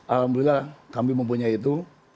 alhamdulillah kami mempunyai itu